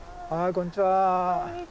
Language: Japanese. こんにちは。